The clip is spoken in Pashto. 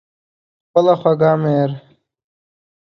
خپله خوږه مور